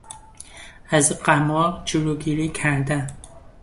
از قمار جلوگیری کردن